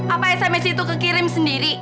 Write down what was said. apa sms itu kekirim sendiri